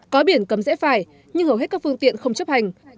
cấm rẽ phải nhưng hầu hết các phương tiện không chấp hành